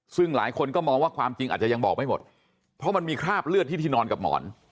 ซึ่งหลายคนก็มองว่าความจริงอาจจะยังบอกไม่หมดเพราะมันมีคราบเลือดที่ที่นอนกับหมอน